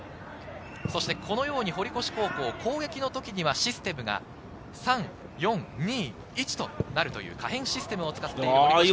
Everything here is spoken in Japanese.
このように堀越高校、攻撃の時にはシステムが３−４−２−１となるという可変システムを使っています。